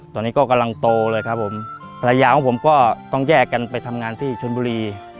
ตอนนี้ก็กำลังโตเลยครับผมภรรยาของผมก็ต้องแยกกันไปทำงานที่ชนบุรี